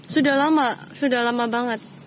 sudah lama sudah lama banget